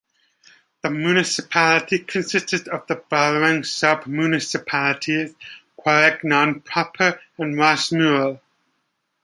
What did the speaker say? The municipality consists of the following sub-municipalities: Quaregnon proper and Wasmuel.